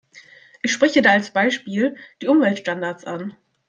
Ich spreche da als Beispiel die Umweltstandards an.